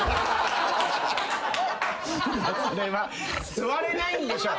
座れないんでしょう。